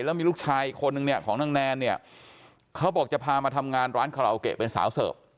แล้วมีลูกชายอีกคนนึงเนี่ยของนางแนนเนี่ยเขาบอกจะพามาทำงานร้านคาราโอเกะเป็นสาวเสิร์ฟ